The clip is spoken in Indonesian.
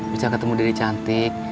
bisa ketemu dede cantik